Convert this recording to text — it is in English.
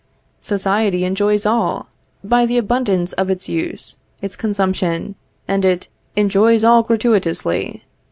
Society enjoys all, by the abundance of its use, its consumption; and it enjoys all gratuitously.